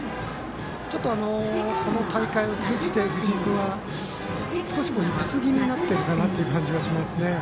ちょっとこの大会を通じて藤井君は少しイップス気味になってるかなという感じがしますね。